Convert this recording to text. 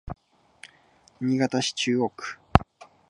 新潟市中央区